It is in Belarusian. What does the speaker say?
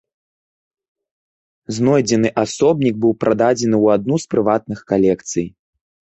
Знойдзены асобнік быў прададзены ў адну з прыватных калекцый.